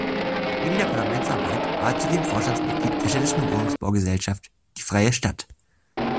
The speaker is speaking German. Neben der Parlamentsarbeit war er zudem Vorstandsmitglied der städtischen Wohnungsbaugesellschaft "Die Freie Stadt".